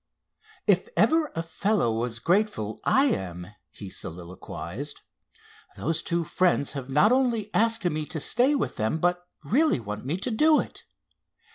"If ever a fellow was grateful I am!" he soliloquized. "Those two friends have not only asked me to stay with them, but really want me to do it.